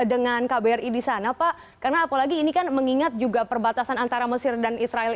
dengan kbri di sana pak karena apalagi ini kan mengingat juga perbatasan antara mesir dan israel